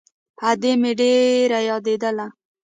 ادې مې ډېره يادېدله.